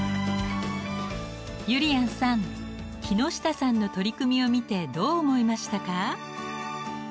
ゆりやんさん木下さんの取り組みを見てどう思いましたか？